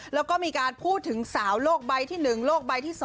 แล้วก็มีการพูดถึงสาวโลกใบที่๑โลกใบที่๒